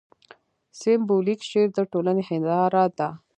سېمبولیک شعر د ټولنې هینداره ده.